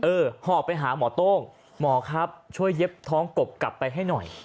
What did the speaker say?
หอบไปหาหมอโต้งหมอครับช่วยเย็บท้องกบกลับไปให้หน่อย